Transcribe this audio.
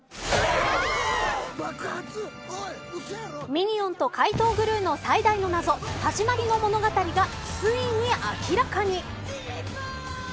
ミニオンと怪盗グルーの最大の謎はじまりの物語がついに明らかに。